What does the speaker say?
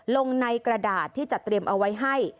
ลงในกระดาษที่จะเตรียมเอาไว้ให้